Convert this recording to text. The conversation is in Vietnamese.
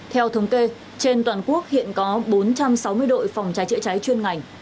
theo thống kê trên toàn quốc hiện có bốn trăm sáu mươi đội phòng trái trịa trái chuyên ngành